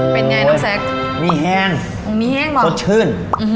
เป็นไงน้องแซ็กมีแห้งมีแห้งเหรอสดชื่น